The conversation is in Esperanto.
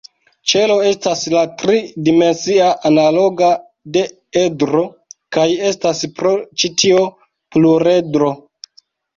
Ĉelo estas la tri-dimensia analoga de edro, kaj estas pro ĉi tio pluredro.